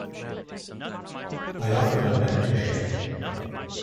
I offer them mentorship.